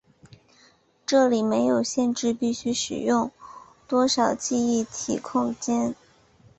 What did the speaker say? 这里没有限制必须使用多少记忆体空间。